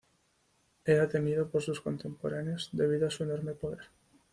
Era temido por sus contemporáneos debido a su enorme poder.